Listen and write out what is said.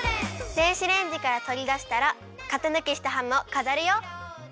電子レンジからとりだしたら型ぬきしたハムをかざるよ。